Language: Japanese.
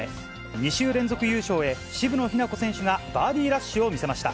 ２週連続優勝へ、渋野日向子選手がバーディーラッシュを見せました。